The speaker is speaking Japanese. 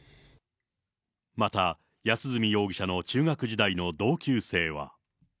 また、安栖容疑者の中学時代の同級生は。